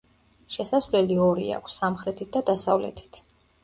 შესასვლელი ორი აქვს, სამხრეთით და დასავლეთით.